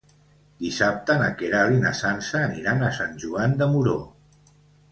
Dissabte na Queralt i na Sança aniran a Sant Joan de Moró.